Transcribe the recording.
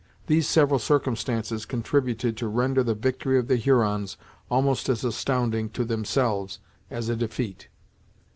These several circumstances contributed to render the victory of the Hurons almost as astounding to themselves as a defeat.